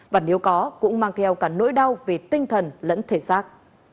và nếu có cũng mang theo cả nỗi đau về tinh thần lẫn thể xác